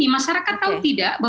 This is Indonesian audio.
masyarakat tahu tidak